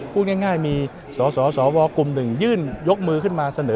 พูดง่ายมีสสวกลุ่มหนึ่งยื่นยกมือขึ้นมาเสนอ